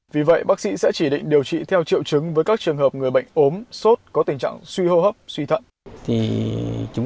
vì vậy bác sĩ sẽ chỉ định điều trị theo triệu chứng với các trường hợp người bệnh ốm sốt có tình trạng suy hô hấp suy thận